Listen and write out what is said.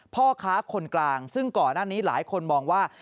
พ่อค้าคนกลางซึ่งก่อนหน้านี้หลายคนมองว่า